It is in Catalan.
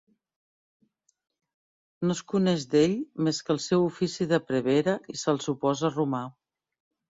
No es coneix d'ell més que el seu ofici de prevere i se'l suposa romà.